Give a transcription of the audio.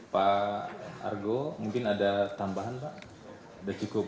pak argo mungkin ada tambahan pak